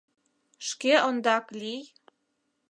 — Шке ондак лий.